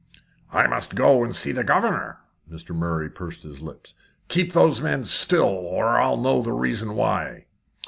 "I must go and see the governor." Mr. Murray pursed up his lips. "Keep those men still, or I'll know the reason why."